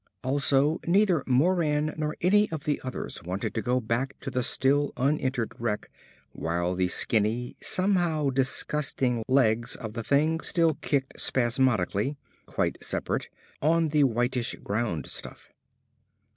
Also, neither Moran nor any of the others wanted to go back to the still un entered wreck while the skinny, somehow disgusting legs of the thing still kicked spasmodically quite separate on the whitish ground stuff.